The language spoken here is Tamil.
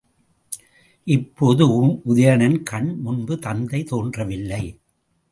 இப்போது உதயணன் கண் முன்பு தத்தை தோன்றவில்லை.